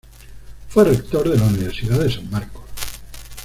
Fue rector de la Universidad de San Marcos.